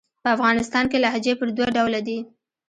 په افغانستان کښي لهجې پر دوه ډوله دي.